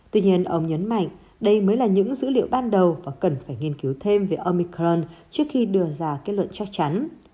tuy nhiên ông nhấn mạnh đây mới là những dữ liệu ban đầu và cần phải nghiên cứu thêm về omicron trước khi đưa ra kết luận chắc chắn